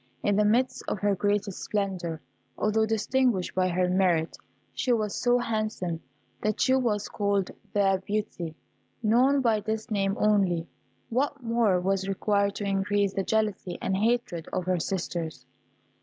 In the midst of her greatest splendour, although distinguished by her merit, she was so handsome that she was called "The Beauty." Known by this name only, what more was required to increase the jealousy and hatred of her sisters?